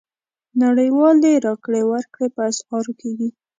نړیوالې راکړې ورکړې په اسعارو کېږي.